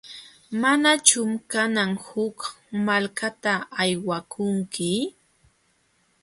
¿Manachum kanan huk malkata aywakunki?